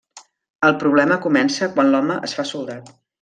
El problema comença quan l'home es fa soldat.